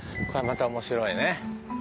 これまた面白いね。